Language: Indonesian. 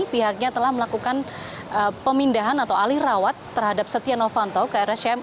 pihaknya telah melakukan pemindahan atau alih rawat terhadap setia novanto ke rscm